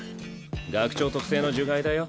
学長特製の呪骸だよ。